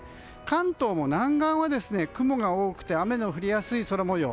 関東も南岸は雲が多くて雨が降りやすい空模様。